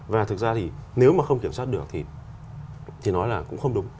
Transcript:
và thực ra thì nếu mà không kiểm soát được thì nói là cũng không đúng